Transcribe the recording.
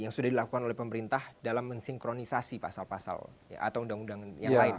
yang sudah dilakukan oleh pemerintah dalam mensinkronisasi pasal pasal atau undang undang yang lain